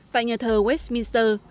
tại nhà thờ westminster